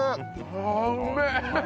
ああうめえ！